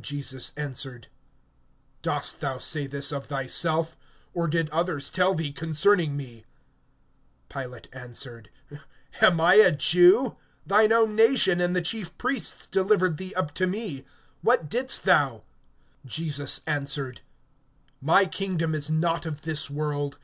(34)Jesus answered: Dost thou say this of thyself, or did others tell thee concerning me? (35)Pilate answered: Am I a Jew? Thine own nation, and the chief priests, delivered thee up to me. What didst thou? (36)Jesus answered: My kingdom is not of this world.